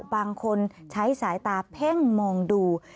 บางคนใช้สายตาเพ่งมองดู